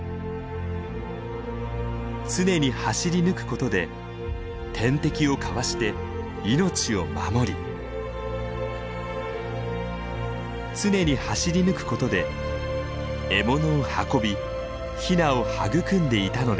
常に走り抜くことで天敵をかわして命を守り常に走り抜くことで獲物を運びヒナを育んでいたのです。